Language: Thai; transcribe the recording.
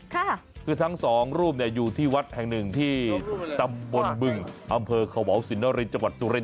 ค่ะคือทั้งสองรูปเนี่ยอยู่ที่วัดแห่งหนึ่งที่จำบลบึงอำเผอเขาเบาศิลป์นอริย์จังหวัดสุฬิน